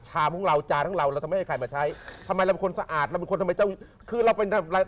ชามของเราจานทั้งเราเราทำไมให้ใครมาใช้ทำไมเราเป็นคนสะอาด